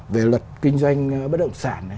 về luật kinh doanh bất động sản